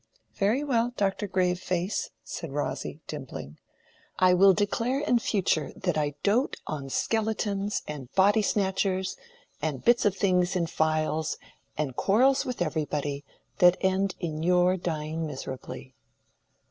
"Very well, Doctor Grave face," said Rosy, dimpling, "I will declare in future that I dote on skeletons, and body snatchers, and bits of things in phials, and quarrels with everybody, that end in your dying miserably."